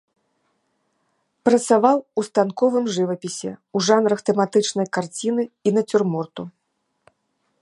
Працаваў у станковым жывапісе ў жанрах тэматычнай карціны і нацюрморту.